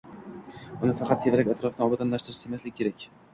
Uni faqat tevarak-atrofni obodonlashtirish demaslik kerak.